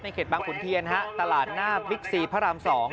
เขตบางขุนเทียนฮะตลาดหน้าบิ๊กซีพระราม๒